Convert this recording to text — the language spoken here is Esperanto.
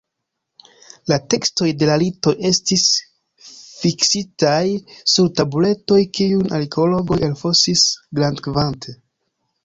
La tekstoj de la ritoj estis fiksitaj sur tabuletoj kiujn arkeologoj elfosis grandkvante.